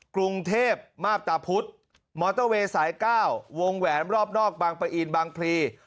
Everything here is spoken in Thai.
กรุงเทพมาบตาพุธมอเตอร์เวย์สาย๙วงแหวนรอบนอกบางปะอินบางพลี